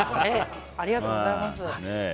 ありがとうございます。